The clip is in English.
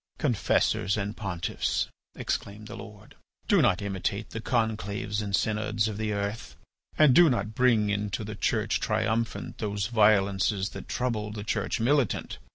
"Confessors and pontiffs," exclaimed the Lord, "do not imitate the conclaves and synods of the earth. And do not bring into the Church Triumphant those violences that trouble the Church Militant.